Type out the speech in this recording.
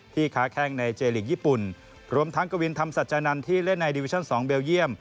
ค้าแข้งในเจลีกญี่ปุ่นรวมทั้งกวินธรรมสัจจานันทร์ที่เล่นในดิวิชั่น๒เบลเยี่ยม